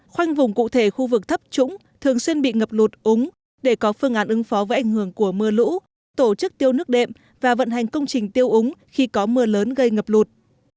khoanh vùng cụ thể khu vực thấp trũng thường xuyên bị ngập lụt úng để có phương án ứng phó với ảnh hưởng của mưa lũ tổ chức tiêu nước đệm và vận hành công trình tiêu úng khi có mưa lớn gây ngập lụt